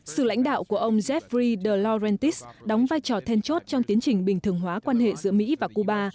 sự lãnh đạo của ông jeff faye derogatis đóng vai trò then chốt trong tiến trình bình thường hóa quan hệ giữa mỹ và cuba